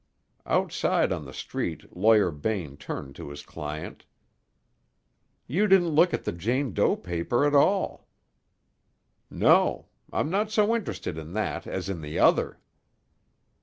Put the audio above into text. Outside in the street, Lawyer Bain turned to his client. "You didn't look at the Jane Doe paper at all." "No. I'm not so interested in that as in the other."